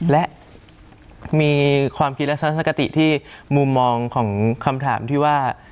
และมีความคิดลักษณะคติที่มุมมองของคำถามที่ว่า